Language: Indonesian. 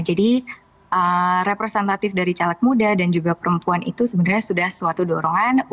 jadi representatif dari caleg muda dan juga perempuan itu sebenarnya sudah suatu dorongan untuk